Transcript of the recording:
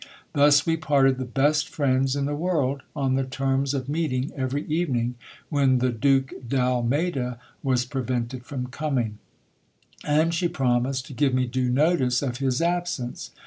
Thus we parted the best friends in the world, on the terms of meeting every evening when the Duke d'Almeyda was prevented from coming ; and she promised to give me due notice of his absence.